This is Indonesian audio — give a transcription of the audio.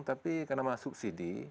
tapi karena masukan subsidi